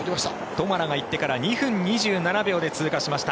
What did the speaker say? トマラが行ってから２分２７秒で通過しました。